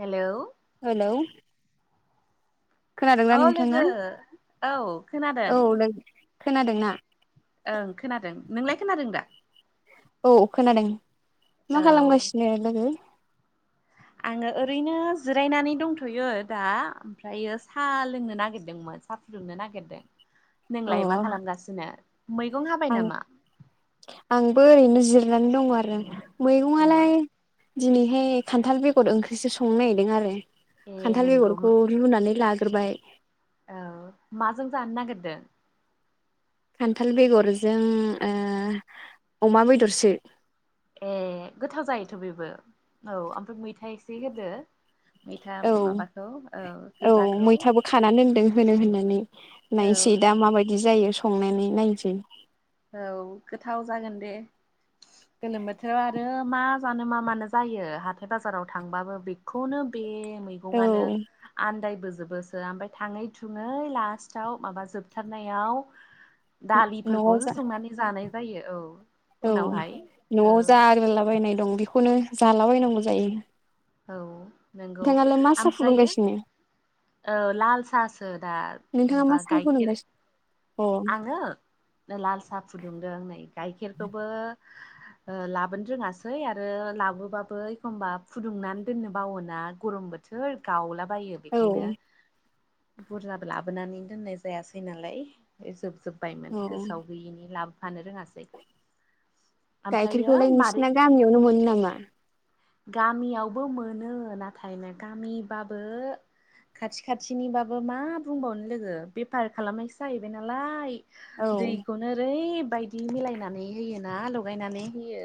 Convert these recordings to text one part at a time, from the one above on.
Hello hello खोनादोंना औ नोंथांङा लोगो औ खोनादों औ नों खोनादोंना ओं खोनादों नोंलाय खोनादों दा औ खोनादों मा औ खालामगासिनो लोगो आङो ओरैनो जिरायनानै दंथ'यो दा ओमफ्रायो साहा लोंनो नागिरदोंमोन साहा फुदुंनो नागिरदों [inaudible] नोंलाय मा खालामगासिनो मैगं हाबा आं आंबो ओरैनो जिरनानै दङ' आरो औ मैगंआलाय दिनैहाय खान्थाल बेगर ओंख्रिसो संनो नागिरदों आरो ए खान्थाल नंगौ बेगरखौ रुनानै लाग्रोबाय औ माजों जानो नागिरदों? खान्थाल बेगरजों ओ अमा बेदरसो ए गोथाव जायोथ' बेबो औ ओमफ्राय मैथा एसे होदो मैथा औ माबाखौ औ गोजाखौ खाना दोनदों होनो होननानै औ नायसै दा माबायदि जायो संनानै नायनोसै औ गोथाव जागोन दे गोलोम बोथोराव आरो मा जानो मा मानो जायो हाथाय बाजाराव थांबाबो बे खौनो बे औ मैगंआनो आन्दायबोजोबोसो ओमफ्राय थाङै थुङै लास्टआव माबा जोबथारनायाव [inaudible] दालिफोरखौ न'आव जा संनानै जानाय जायो औ औ उनावहाय औ न'आव जा आग्लाबायनाय दं बेखौनो जालाबायनांगौ जायो औ नंगौ नोंथाङालाय मा साहा ओमफ्रायो फुदुंगासिनो औ लाल साहासो दा नोंथाङा मा माबा साहाखौ गाइखेर फुदुंगासि ए [unintelligible] आङो लाल साहा फुदुंदों नै गाइखेरखौबो लाबोनो रोङासै आरो लाबोबाबो एखमबा फुदुंनानै दोननो बावोना गरम बो सोर गावलाब बायो बेखायनो औ बुरजाबो लाबोनानै दोननाय जायासै नालाय जोबजोबबायमोन औ गोसोआव गैयिनि लाबोफानो रोङासै ओमफ्रायो गाइखेरखौलाय मारै नोंसिना गामियावनो मोनो नामा गामियावबो मोनो नाथाय ना गामिबाबो खाथि खाथिनिबाबो मा बुंबावनो लोगो बेफार खालामनायसो जायो [unintelligible] नालाय औ दैखौ ओरैबायदि मिलायनानै होयोना लगायनानै होयो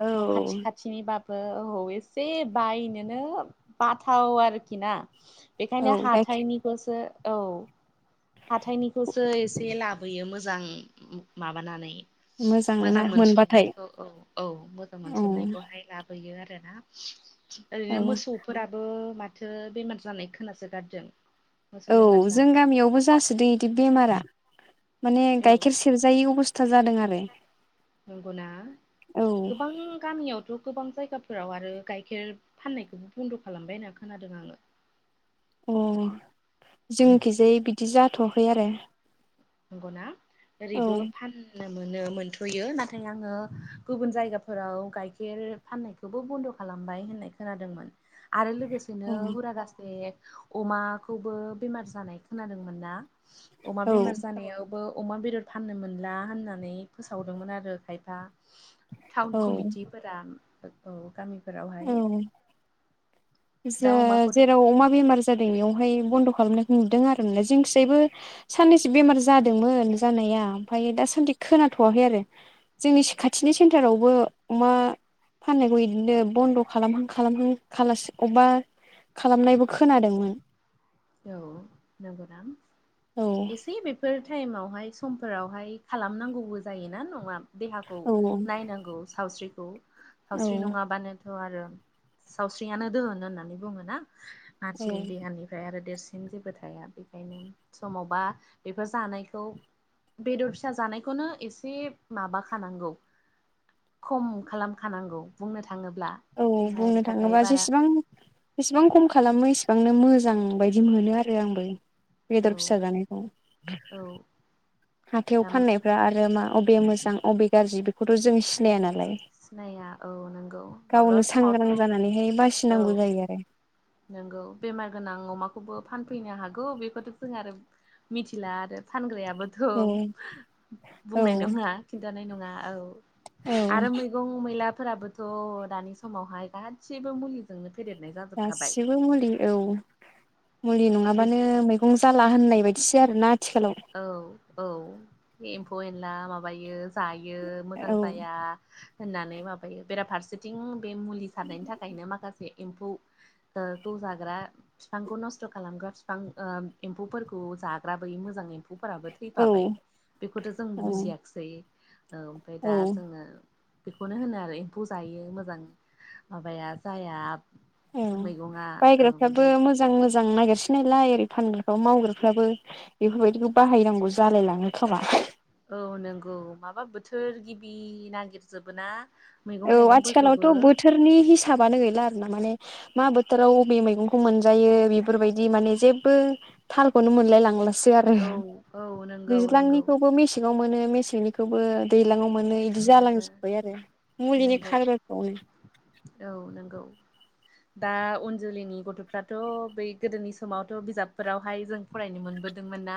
औ न' खाथि खा थिनिबाबो औ एसे बायनोनो बाथाव आरोखि ना बेखायनो औ गाइखेर हाथाइनिखौसो औ हाथाइनि खौसो एसे लाबोयो मोजां माबानानै ना मोजां मोनबाथाय मोनस'नायखौ औ औ मोजां औ मोनस'नायखौहाय ला हैयो आरोना। ओरैनो औ मोसौ फोराबो माथो बेमार जानाय खोनासो गारदों। औ जों गामियावबो जासोदो इदि बेमारा माने औ गाइखेर सेरजायै अबस्था जादों आरो। नंगौना औ गोबां गामियावथ' गोबां जायगाफोराव आरो गाइखेर फाननायखौबो बन्द' खालामबाय होनना खोनादों आङो। अ जोंनिखैजाय बिदि जाथ'आखै आरो। नंगौना औ ओरैबो फान नों मोनो मोनथ'यो नाथाय आङो गुबुन जायगाफोराव गाइखेर फाननायखौबो बन्द' खालामबाय होननाय खोनादोंमोन आरो लोग औ गोसेनो हुरा गासे अमाखौबो बेमार जानाय खोनादोंमोन ना। अमा बेमार औ नायावबो अमा बेदर फाननो मोनला होननानै फोसावदोंमोन आरो खायफा टाउन औ कमिटिफोरा औ गामिफोरावहाय। औ जो दाउ अमाखौथ' जेराव फानो अमा बेमार जादों इयावहाय बन्द' खालामनायखौ नुदों आरना जोंखिजायबो साननैसो बेमार जादोंमोन जानाया। ओमफाय दासान्दि खोनाथ'वाखै आरो। जोंनि खाथिनि सेन्टारावबो अमा फाननायखौ इदिनो बन्द' खालामहां खालामहां खालासो अबबा खालामनायबो खोनादोंमोन। औ नोंगौ ना? औ एसे बेफोर टाइमावहाय समफोरावहाय खालामनांगौबो जायोना नङा देहाखौ औ नायनांगौ सावस्रिखौ। सावस्रि नङाबानोथ' आरो सावस्रियानो दोहोन होननानै बुङो ना। मानसिनि देहानिफ्राय आरो देरसिन जेबो थाया बेखायनो समावबा बेफोर जानायखौ बेदर फिसा जानायखौनो एसे माबाखानांगौ खम खालामखानांगौ बुंनो थाङोब्ला। औ देहानि बुंनो थाखाय थाङोबा बारा जिसिबां बिसिबां खम खालामो इसेबांनो मोजां बायदि मोनो आरो आंबो। बेदर औ फिसा जानायखौ औ हाथायाव फाननायफ्रा आरो मा अबे मोज जां अबे गारजि बेखौथ' जों सिनाया नालाय। सिनाया औ नोंगौ। गावनो सांग्रां जानानैहाय बासिनांगौ औ जायो आरो। नोंगौ बेमार गोनां अमाखौबो फानफैनो हागौ बेखौथ' जों आरो मिथिला आरो फानग्राया [unintelligible] औ बुंनाय नङा खिन्थानाय नङा औ औ आरो मैग' गं मैलाफोराबोथ' दानि समावहाय गादसिबो मुलिजोंनो फेदेरनाय जाब गासिबो मुलि औ मुलि बे नङाबानो मैगं जा जाला होननाय बायदिसो आरोना आथिखालाव। औ औ एम्फौ एनला माबायो जायो मोजां औ जाया होननानै माबायो। बेराफारसे थिं बे मुलि सारनायनि थाखायनो माखासे एम्फौ ओ खौ जाग्रा फिफांखौ नस्थ' खालामग्रा फिफां ओ एम्फौफोरखौ जाग्रा बै मोजां एम फौफोराबो औ थैफाबाय बेखौथ' जों बुजियाख्सै। ओ ओमफाय औ दा जोङो बेखौनो होनो आरो एम्फौ जायो मोजां माबाया जाया औ मैगङा ओ बायग्राफ्राबो बेबायदि मोजां मोजां नागिरसिनाय ओरै फानग्राफ्राबो मावग्राफ्राबो बेफोरबायदिखौ बाहायनांगौ जालायलाङो खोमा। औ नोंगौ माबा बोथोर गिबि नागिर जोबो ना। मैगं औ थाइगंफोरखौबो आथिखालावथ' बोथोरनि हिसाबानो गैला आरना माने मा बोथोराव अबे मैगंखौ मोनजायो बेफोरबायदि माने जेबो थालखौनो मोनलाय लांला। आरो औ औ नंगौ नंगौ दैज्लांनिखौबो मेसें मेसेङाव मोनो मेसेंनिखौबो दैज्लाङाव मोनो बिदि दैज्लाङाव मोनो जालांजोब्बाय आरो। मुलिनि नंगौ खारबारफोरखौनो औ नंगौ दा उन जोलैनि गथ'फ्राथ' बै गोदोनि समावथ' बिजाबफोरावहाय जों फरायनो मोनबोदोंमोन ना?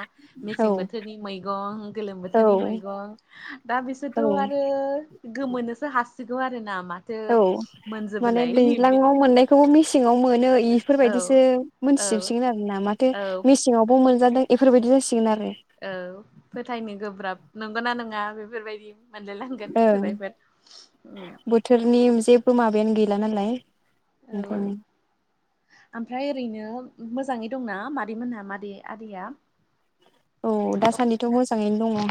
मेसें औ बोथोरनि मैगं गोलोम बोथोरनि मैगं दा औ बिसोरथ' आरो गोमोनोसो हासिगौ आरो ना मा औ माने दैज्लांआव मोननाय बेखौबो मेसेङाव मोनो औ इफोरबायदिसो औ मोनथिजोबसिगोन आरो ना औ माथोसे सिङावबो मोनजादों बेफोरबायदि जासिगोन आरो। औ फोथायनो गोब्राब नंगौना नङा बेफोरबायदि मोनलायलांगोन ओं [unintelligible] औ बोथोरनि जेबो माबायानो गैला नालाय। ओंखायनो औ ओमफ्राय ओरैनो मोजाङै दंना मादैमोनहा मादै आदैया? औ दासान्दिथ' मोजाङैनो दङ।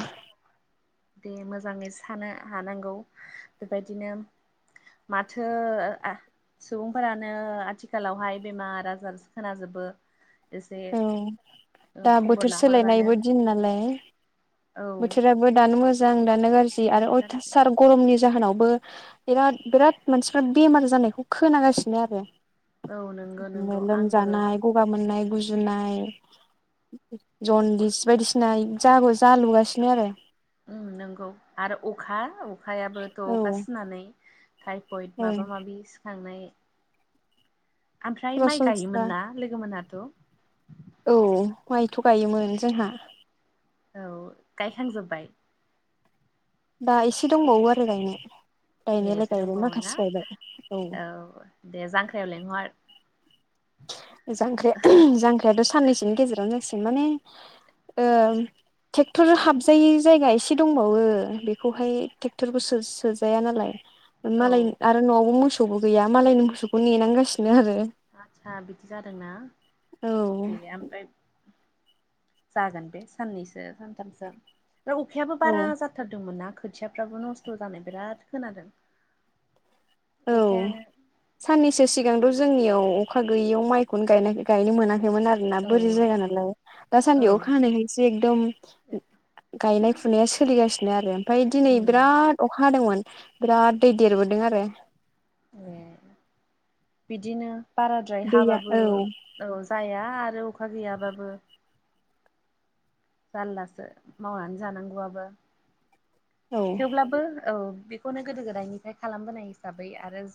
दे मोजाङै थानो हानांगौ बेबायदिनो माथो ओ सुबुंफोरानो आथिखालावहाय बेमार आजार खोनाजोबो। एसे औ खबर लाहरबानो न औ बोथोराबो दानो मोजां दानो गाज्रि लानो गारसै गरमनि जाहोनावबो बिराद बिराद मानसिफ्रा बेमार जानायखौ खोनागासिनो आरो। औ नंगौ बिदिनो नंगौ आंबो लोमजानाय गगा मोननाय गुजुनाय जनदिस बायदिसिना जागो जालुगासिनो आरो। उम नोंगौ आरो अखा अखायाबोथ औ अखा सिनानै टाइफयड ओं माबा माबि सिखांनाय ओमफ्राय माइ सरासनस्रा गायोमोन ना लोगो मोना औ माइथ गायोमोन जोंहा औ गायखांजोबबाय। दा एसे दंबावो आरो गायनो गायनायलाय एसो गायबाय दंबावो ना माखासे गायबाय औ दे जांख्रायाव लेंहर ‌। जांख्रा जांख्रिआथ साननैसोनि गेजेराव जासिगोन माने ओ ट्रेक्टर हाबजायै जायगा एसे दंबावो बेखौहाय ट्रेक्टरखौ सोजाया नालाय। औ मालाय आरो न'आवबो मोसौबो गैया मालायनि मोसौखौ नेनांगासिनो आरो। आतसा बिदि जादोंना औ दे ओमफ्राय जागोन बे साननैसो सानथामसो ओमफ्राय अखायाबो औ बारा जाथ थारदोंमोनना खोथियाफ्राबो नस्थ जानाय बिराद खोनादों। औ अखायानो साननैसो सिगांथ जोंनियाव अखा गैयैयाव माइखौनो गायनो गायनो मोनाखैमोन आरो। जोंना औ बोरै जायगा नालाय दासान्दियाव ओं अखा हानायखायसो एकदम गायनाय फुनाया सोलिगासिनो आरो ओमफ्राय दिनै उम बिराद अखा हादोंमोन। बिराद दै देरबोदों आरो। ए बिदिनो बाराद्राय दैया हाबाबो औ औ जाया आरो अखा गैयाबाबो। जारलासो मावनानै जानांगौआबो औ थेवब्लाबो औ बेखौनो गोदो गोदायनिफ्राय खालामबोनाय हिसाबै आरो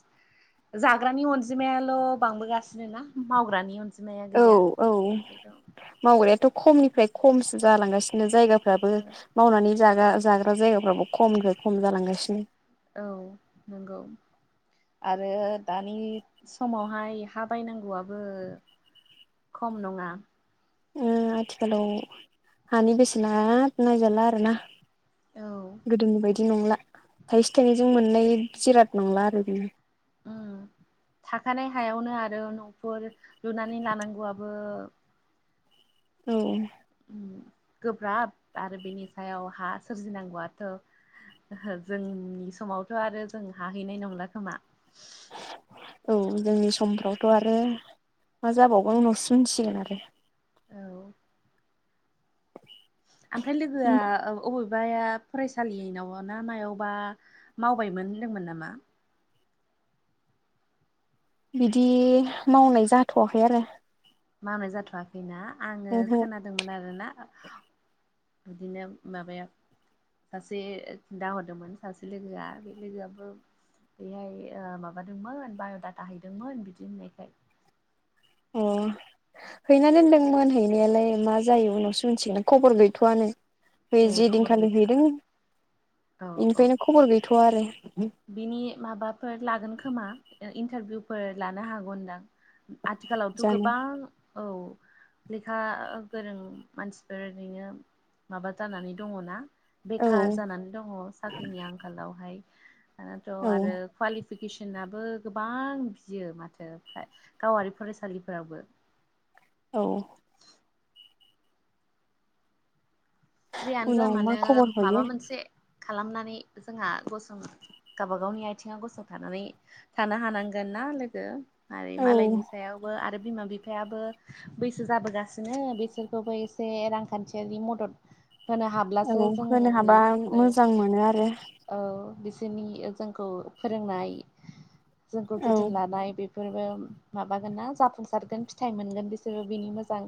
जाग्रानि अनजिमायाल बांबोगासिनो ना मावग्रानि अनजिम माया औ गैया औ बेफोरखौ मावग्रायाथ' खमनिफ्राय खमसो जालांगासिनो जायगाफ्राबो मावनानै जाग्रा जाग्रा जायगाफ्राबो खमनिफ्राय खम जालांगासिनो। औ नंगौ। आरो दानि समावहाय हा बायनांगौआबो खम नङा। ओ आथिखालाव हानि बेसेना नायजाला आरोना। औ गोदोनि बायदि नंला थाइसे थाइनैजों मोननाय जिराद नंला आरो बेयो। उम थाखानाय हायावनो आरो न'फोर लुनानै लानांगौआबो औ औ उम गोब्राब आरो बेनि सायाव हा सोरजिनांगौआथ' ओहो जोंनि समावथ' आरो जों हाहैनाय नंला खोमा। औ जोंनि समफ्रावथ' आरो मा जाबावगोन उनावसो मोननसिगोन आरो। औ ओमफ्राय लोगोआ आरो औ अबेबाया फरायसालिनाव ना मायावबा मावबायमोन होन्दोंमोन नामा? बिदि मावनाय जाथवाखै आरो। मावनाय जाथवाखैना आङो ओहो खोनादोंमोन आरोना बिदिनो माबाया सासे खोथाहरदोंमोन सासे लोगोआ बे लोगोआबो बेहाय ओ माबादोंमोन बायडाटा हैदोंमोन बिदि होननायखाय अ हैना दोन्दोंमोन हैनायालाय मा जायो उनावसो मिथिगोनोन खबर गैथवानो। है ए जि खबर दिनखालि गोथार हैदों औ औ बेनिफ्रायनो खबर गैथवा आरो। बिनि माबाफोर लागोन खोमा इन्टारभिउफोर लानो हागन दां। आथिखालावथ' जानो गोबां औ लेखा गोरों मानसिफोर ओरैनो माबा जानानै दङ ना? बेखार औ जानानै दङ साख्रिनि आंखालावहाय दानाथ' औ आरो कुवालिफिकेसनाबो गोबां बियो माथो फ्राय गावारि फरायसालिफोरावबो। औ जियानो जा उनाव मा मानो खबर हयो माबा मोनसे खालामनानै जोंहा गसङो। गावबा गावनि आइथिङाव गसंथानानै थानो हानांगोन ना लोगो? आरो औ मालायनि सायावबो आरो बिमा बि फायाबो बैसो जाबोगासिनो बिसोरखौबो एसे रांखान्थियारि मदद होनो औ हाब्लासो होनो हाबा जोंनिफ्राय मोजां मोनो आरो औ बिसोरनि जोंखौ फोरोंनाय जोंखौ औ जोथोन लानाय बे फोरबो माबागोन ना जाफुंसारगोन फिथाइ मोनगोन बिसोरो बिनि मोजां।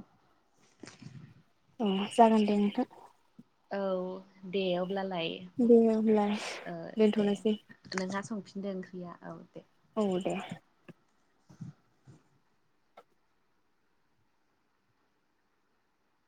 औ जागोन दे नोंथां। औ दे अब्लालाय दे अब्ला ओ दे दोनथ'नोसै नोंहा संफिनदो ओंख्रिया औ दे। औ दे